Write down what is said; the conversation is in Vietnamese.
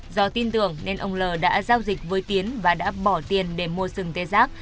do tin tưởng nên ông l đã giao dịch với tiến và đã bỏ tiền để mua sừng tê giác